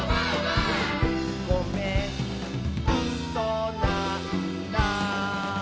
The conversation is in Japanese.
「ごめんうそなんだ」